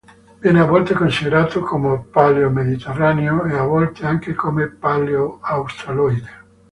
Viene a volte considerato come paleo-mediterraneo e a volte anche come paleo-australoide.